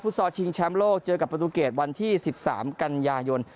ซอลชิงแชมป์โลกเจอกับประตูเกตวันที่๑๓กันยายน